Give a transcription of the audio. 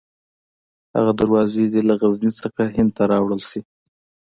هغه دروازې دې له غزني څخه هند ته راوړل شي.